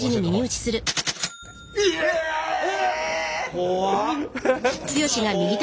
怖っ！